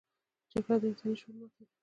جګړه د انساني شعور ماتې ده